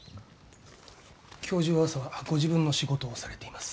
教授は朝はご自分の仕事をされています。